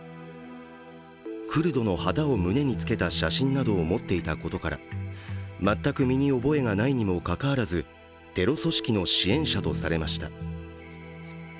クルドの旗を胸につけた写真などを持っていたことから全く身に覚えがないにもかかわらずテロ組織の支援者とされました。